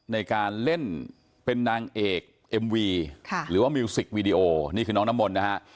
ในการเล่นเป็นนางเอกเอ็มวีหรือว่ามิวสิกวีดีโอนี่คือน้องน้ำมนต์นะฮะ